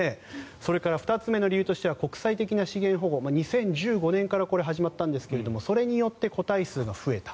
それから２つ目の理由としては国際的な資源保護２０１５年からこれ、始まったんですがそれによって個体数が増えた。